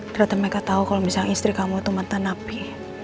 ternyata mereka tahu kalau misalnya istri kamu itu mantan napi